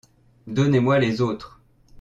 Donnez-moi les autres.